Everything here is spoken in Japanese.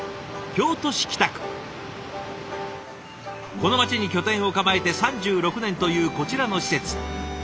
この街に拠点を構えて３６年というこちらの施設。